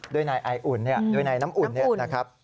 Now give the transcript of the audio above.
ด้วยนายอายอุ่นด้วยนายน้ำอุ่นนะครับ